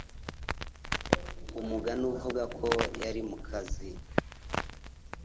Umugani uvuga ko yari mukazi.